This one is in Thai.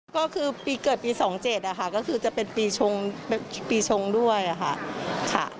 ก็คือปีเกิดปี๒๗นะคะก็คือจะเป็นปีชงด้วยค่ะ